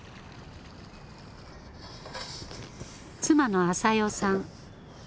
妻のあさよさん。